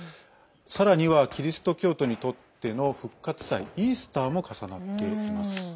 さらにはキリスト教徒にとっての復活祭イースターも重なっています。